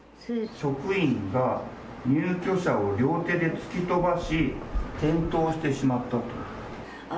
職員が入居者を両手で突き飛ばし転倒してしまった。